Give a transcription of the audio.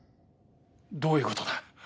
どういうことだ？